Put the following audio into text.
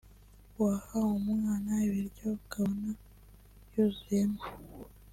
waha umwana ibiryo ukabona yuzuyemo